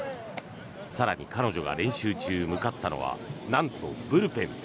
更に彼女が練習中、向かったのはなんと、ブルペン。